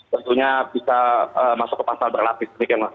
tentunya bisa masuk ke pasal berlapis